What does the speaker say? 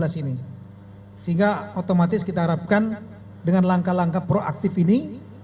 sehingga otomatis kita harapkan dengan langkah langkah proaktif ini